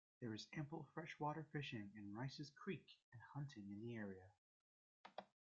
There is ample freshwater fishing in Rice's Creek and hunting in the area.